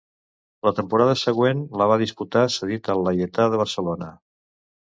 La temporada següent la va disputar cedit al Laietà de Barcelona.